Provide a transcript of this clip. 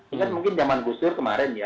ingat mungkin zaman gusur kemarin ya